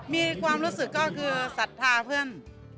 มีความรู้สึกก็คือศรัทธาเพื่อน